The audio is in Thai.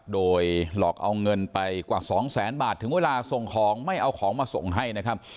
โดยหลอกเอาเงินไปกว่าสองแสนบาทถึงเวลาส่งของไม่เอาของมาส่งให้นะครับ